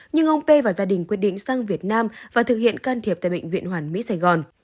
nhưng ông p và gia đình quyết định sang việt nam và thực hiện can thiệp tại bệnh viện hoàn mỹ sài gòn